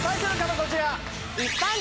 こちら！